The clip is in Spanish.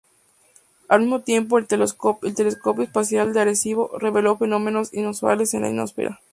Al mismo tiempo, el telescopio espacial de Arecibo, reveló fenómenos inusuales en la ionosfera.